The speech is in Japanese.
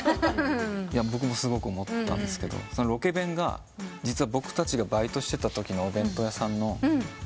僕もすごく思ったんですがロケ弁が実は僕たちがバイトしてたときのお弁当屋さんの弁当だった。